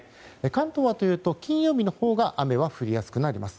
関東はというと金曜日のほうが雨が降りやすくなります。